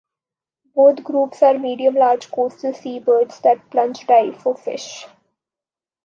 Both groups are medium-large coastal seabirds that plunge-dive for fish.